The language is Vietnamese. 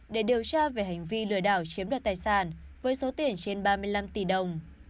để điều tra về hành vi lừa đảo chiếm đoạt tài sản với số tiền trên ba mươi năm tỷ đồng